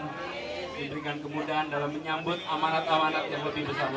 dan diberikan kemudahan dalam menyambut amanat amanat yang lebih besar lagi